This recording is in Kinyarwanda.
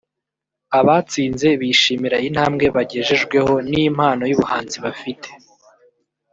Abatsinze bishimira intambwe bagejejweho n’impano y’ubuhanzi bafite